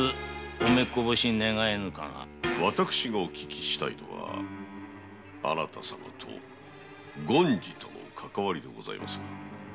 私がお聞きしたいのはあなた様と権次とのかかわりでございます。